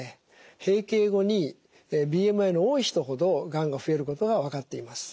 閉経後にＢＭＩの多い人ほどがんが増えることが分かっています。